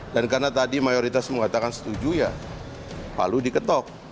dan karena tadi mayoritas mengatakan setuju ya lalu diketok